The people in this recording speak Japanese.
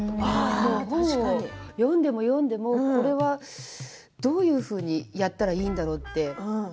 本を読んでも読んでもこれはどういうふうにやったらいいんだろうって。